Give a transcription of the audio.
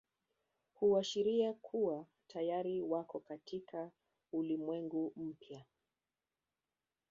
Huashiria kuwa tayari wako katika ulimwengu mpya